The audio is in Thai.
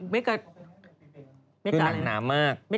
มันคือหนักหนามากเลย